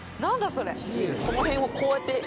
それ。